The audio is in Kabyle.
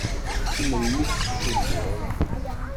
Si melmi i tettcummuḍ?